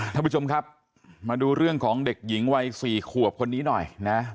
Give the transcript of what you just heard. ท่านผู้ชมครับมาดูเรื่องของเด็กหญิงวัย๔ขวบคนนี้หน่อยนะ